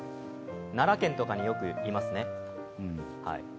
奈良県とかによくいますね。